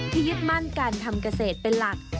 ยึดมั่นการทำเกษตรเป็นหลัก